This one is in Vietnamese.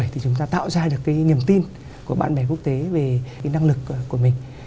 thì chúng ta tạo ra được cái niềm tin của bạn bè quốc tế về cái năng lực của mình